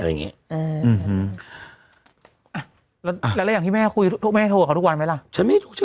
แล้วอย่างที่แม่คุยแม่โทรกับเขาทุกวันไหมล่ะ